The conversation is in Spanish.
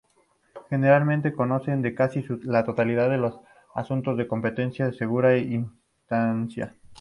Generalmente conocen de casi la totalidad de los asuntos de competencia de segunda instancia.